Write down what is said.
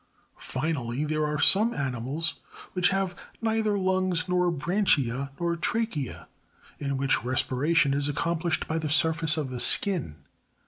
38. Finally; there are some animals which have neither Iwitgs nor branchiae, nor trachea;, in which respiration is accomplished by the surface of the skin.